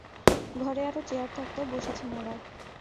ঘরে আরো চেয়ার থাকতেও বসেছে মোড়ায়।